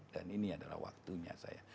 dan ini adalah waktunya saya